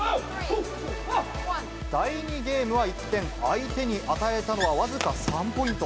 第２ゲームは一転、相手に与えたのは僅か３ポイント。